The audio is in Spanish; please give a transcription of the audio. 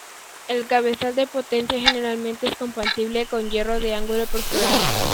El cabezal de potencia generalmente es compatible con hierro de ángulo perforado.